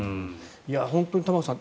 本当に玉川さん